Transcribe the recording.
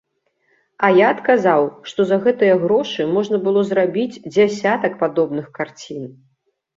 А я адказаў, што за гэтыя грошы можна было зрабіць дзясятак падобных карцін.